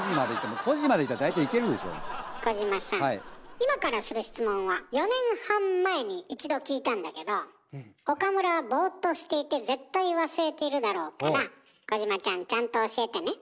今からする質問は４年半前に一度聞いたんだけど岡村はボーっとしていて絶対忘れているだろうから児嶋ちゃんちゃんと教えてね。